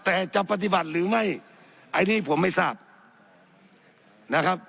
แต่จะปฏิบัติหรือไม่อันนี้ผมไม่ทราบนะครับ